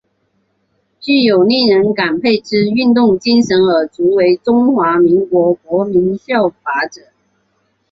具有令人感佩之运动精神而足为中华民国国民效法者。